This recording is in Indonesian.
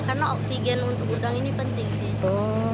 karena oksigen untuk udang ini penting sih